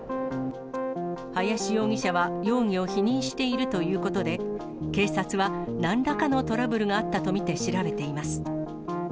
林容疑者は容疑を否認しているということで、警察はなんらかのトラブルがあったと見て調べています。